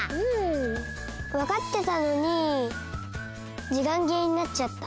わかってたのにじかんぎれになっちゃった。